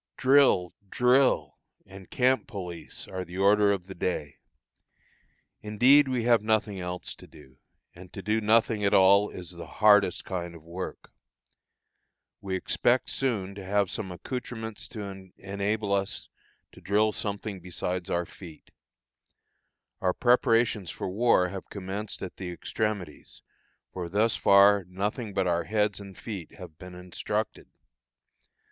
Drill! drill! and camp police are the order of the day. Indeed we have nothing else to do, and to do nothing at all is the hardest kind of work. We expect soon to have some accoutrements to enable us to drill something besides our feet. Our preparations for war have commenced at the extremities; for thus far nothing but our heads and feet have been instructed.